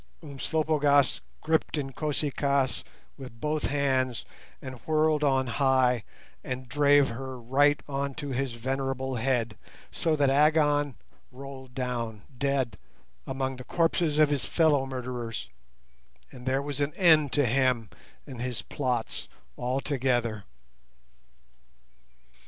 _" Umslopogaas gripped Inkosi kaas with both hands and whirled on high and drave her right on to his venerable head, so that Agon rolled down dead among the corpses of his fellow murderers, and there was an end to him and his plots altogether.